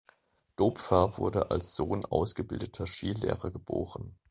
Dopfer wurde als Sohn ausgebildeter Skilehrer geboren.